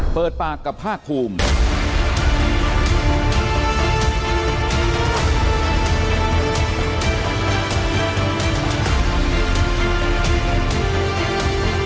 เปิดปากกับภาคภูมิ